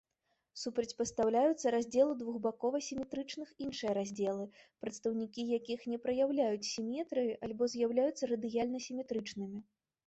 Супрацьпастаўляюцца раздзелу двухбакова-сіметрычных іншыя раздзелы, прадстаўнікі якіх не праяўляюць сіметрыі або з'яўляюцца радыяльна-сіметрычнымі.